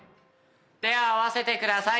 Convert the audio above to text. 手を合わせてください。